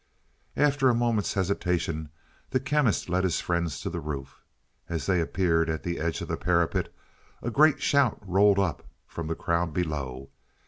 After a moment's hesitation the Chemist led his friends to the roof. As they appeared at the edge of the parapet a great shout rolled up from the crowd below.